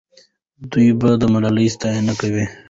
دوی به د ملالۍ ستاینه کوي.